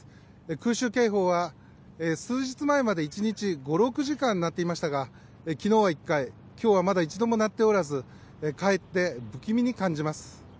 空襲警報は、数日前まで１日５６時間鳴っていましたが昨日は１回今日はまだ１度も鳴っておらずかえって不気味に感じます。